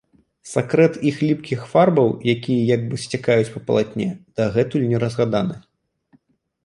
Сакрэт іх ліпкіх фарбаў, якія як бы сцякаюць па палатне, дагэтуль не разгаданы.